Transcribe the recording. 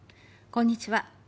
こんにちは。